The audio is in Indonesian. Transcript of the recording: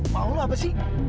mau lo apa sih